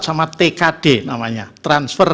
sama tkd namanya transfer